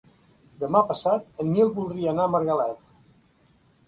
Demà passat en Nil voldria anar a Margalef.